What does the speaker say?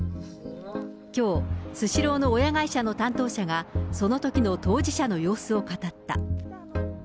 きょう、スシローの親会社の担当者が、そのときの当事者の様子を語った。